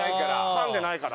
噛んでないから。